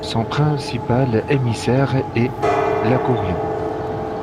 Son principal émissaire est l'Akhourian.